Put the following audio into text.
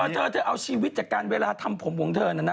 เธอเธอเอาชีวิตจากการเวลาทำผมของเธอนะนะ